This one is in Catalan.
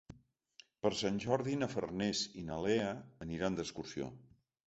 Per Sant Jordi na Farners i na Lea aniran d'excursió.